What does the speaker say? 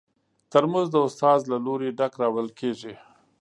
ترموز د استاد له لوري ډک راوړل کېږي.